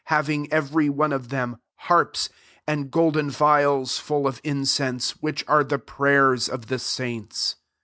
having, every one of them, harps, and golden phials* fuH of mcense, which are the pray ers of the saints.